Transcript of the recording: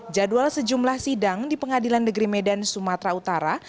jadwal sejumlah sidang di pengadilan negeri medan sumatera utara